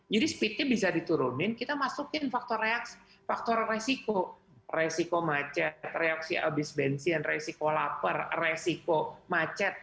jadi speed nya bisa diturunin kita masukin faktor resiko resiko macet reaksi abis bensin resiko lapar resiko macet